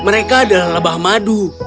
mereka adalah lebah madu